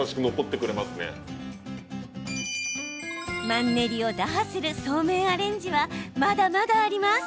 マンネリを打破するそうめんアレンジはまだまだあります。